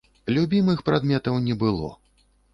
Любімых прадметаў не было.